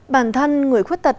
bản thân người khuyết tật